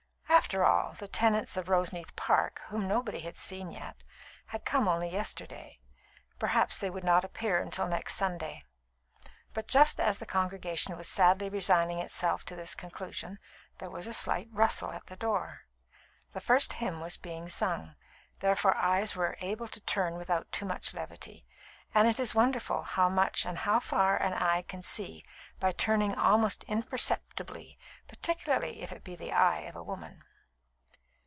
After all, the tenants of Roseneath Park (whom nobody had seen yet) had come only yesterday. Perhaps they would not appear till next Sunday; but just as the congregation was sadly resigning itself to this conclusion, there was a slight rustle at the door. The first hymn was being sung, therefore eyes were able to turn without too much levity; and it is wonderful how much and how far an eye can see by turning almost imperceptibly, particularly if it be the eye of a woman.